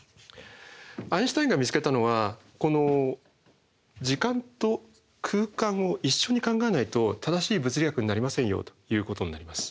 アインシュタインが見つけたのはこの時間と空間を一緒に考えないと正しい物理学になりませんよということになります。